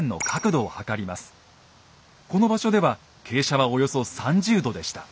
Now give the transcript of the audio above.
この場所では傾斜はおよそ３０度でした。